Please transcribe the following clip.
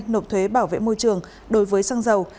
nộp thuế bảo vệ môi trường đối với xăng dầu